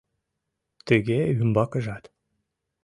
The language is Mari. Тыге умбакыжат.